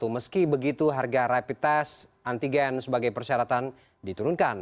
meski begitu harga rapid test antigen sebagai persyaratan diturunkan